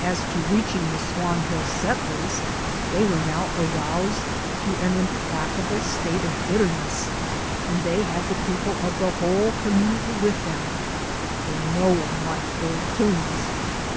As to reaching the Swan Hill settlers, they were now aroused to an implacable state of bitterness; and they had the people of the whole community with them, for no one liked Old Toombs.